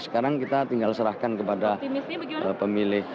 sekarang kita tinggal serahkan kepada pemilih